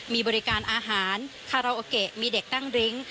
มีบริการอาหารคาราโอเกะมีเด็กตั้งริ้ง